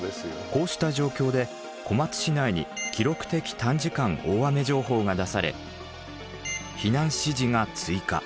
こうした状況で小松市内に記録的短時間大雨情報が出され避難指示が追加。